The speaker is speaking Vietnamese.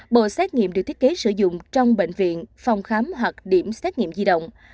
bộ xét nghiệm được thiết kế sử dụng trong bệnh viện phòng khám hoặc điểm xét nghiệm di động